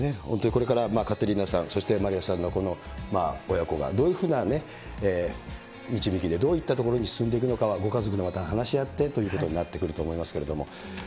本当にこれからカテリーナさん、そしてマリヤさんの親子が、どういうふうな導きでどういったところに進んでいくのはご家族でまた話し合ってということになってくると思いますけれども。